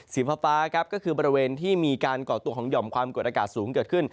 สีฟ้าครับก็คือบริเวณที่มีการก่อตัวของหย่อมความกดอากาศสูงเกิดขึ้น